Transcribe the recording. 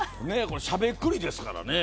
これしゃべくりですからね